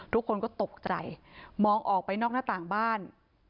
ทุกคนก็ตกใจมองออกไปนอกหน้าต่างบ้าน